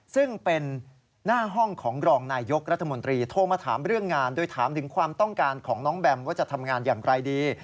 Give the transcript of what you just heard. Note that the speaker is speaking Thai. ซึ่งเป็นหน้าห้องของรองนายยกรัฐมนตรีโทรมาถามเรื่องงานโดยถามถึงความต้องการของน้องแบมว่าจะทำงานอย่างไรดี